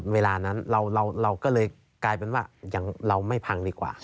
เวลานั้นเราก็เลยกลายเป็นว่าอย่างเราไม่พังดีกว่า